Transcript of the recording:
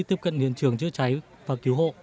tiếp cận điện trường chứa cháy và cứu hộ